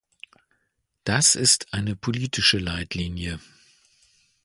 Das ist eine politische Leitlinie.